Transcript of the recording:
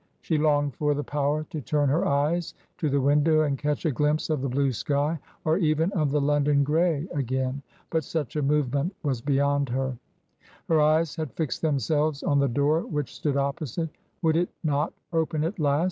She longed for the power to turn her eyes to the window and catch a glimpse of the blue sky or even of the London grey again. But such a movement was beyond her. Her eyes had fixed themselves on the door which stood opposite. Would it not open at last